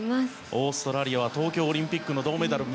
オーストラリアは東京オリンピックの銅メダル。